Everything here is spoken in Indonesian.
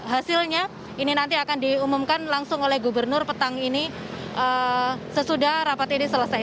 hasilnya ini nanti akan diumumkan langsung oleh gubernur petang ini sesudah rapat ini selesai